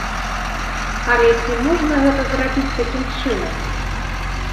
Але ці можна гэта зрабіць такім чынам?